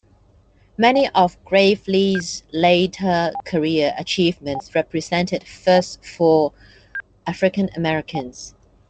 Many of Gravely's later career achievements represented "firsts" for African Americans.